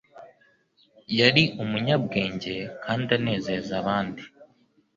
Yari umunyabwenge kandi anezeza abandi ;